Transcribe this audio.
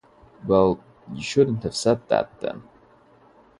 Well — you shouldn't have said that, then.